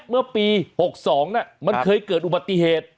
เมื่อปี๖๒มันเคยเกิดอุบัติเหตุ